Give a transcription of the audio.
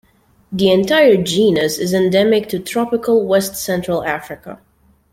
The entire genus is endemic to tropical west-central Africa.